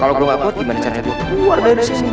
kalau gue gak kuat gimana caranya gue keluar dari sisi sini